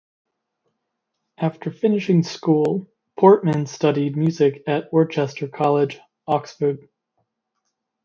After finishing school, Portman studied Music at Worcester College, Oxford.